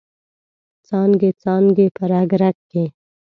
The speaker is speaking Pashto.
څانګې، څانګې په رګ، رګ کې